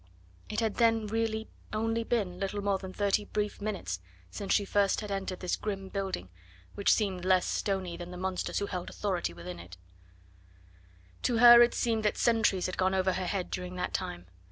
It had then really only been little more than thirty brief minutes since first she had entered this grim building, which seemed less stony than the monsters who held authority within it; to her it seemed that centuries had gone over her head during that time.